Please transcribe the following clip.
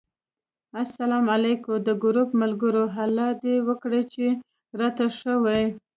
اسلام علیکم! د ګروپ ملګرو! الله دې وکړي چې راته ښه وی